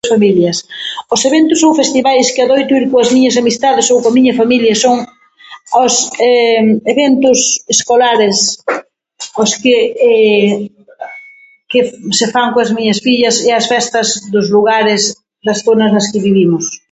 Familias. Os eventos ou festivais que adoito ir coas miñas amistades ou coa miña familia son os eventos escolares os que, que se fan coas miñas fillas e as festas dos lugares, nas zonas nas que vivimos.